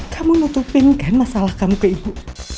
kamu nutupin kan masalah kamu ke ibu